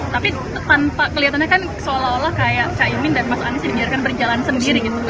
tapi kelihatannya kan seolah olah kayak pak imin dan pak anies diberikan berjalan sendiri gitu